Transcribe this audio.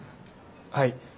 はい。